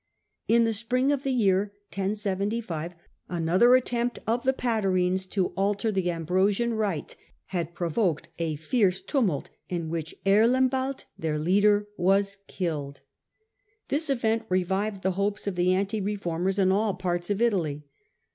In the spring of the year 1075 another attempt of the Patarines to alter the Ambrosian Rite had provoked a fierce tumult, in which Erlembald, their leader, was killed. This event revived the hopes of the anti reformers in all parts of Italy.